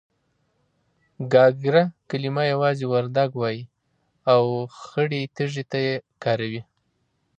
گاگره کلمه يوازې وردگ وايي او خړې تيږې ته يې کاروي.